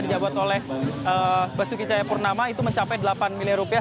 dijabat oleh basuki cahayapurnama itu mencapai delapan miliar rupiah